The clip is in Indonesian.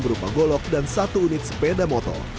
berupa golok dan satu unit sepeda motor